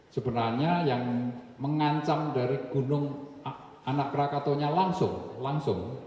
sebenarnya yang mengancam dari gunung anak rakatonya langsung